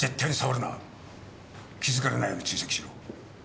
気づかれないように追跡しろ。